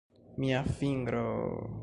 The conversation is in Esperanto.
Mia fingro...